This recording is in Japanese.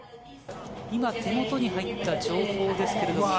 今、手元に入った情報です。